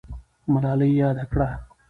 ملالۍ یاده کړه.